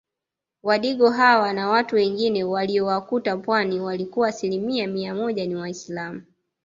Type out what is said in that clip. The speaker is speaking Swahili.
Wadigo hawa na watu wengine waliowakuta pwani walikuwa asilimia mia moja ni waislamu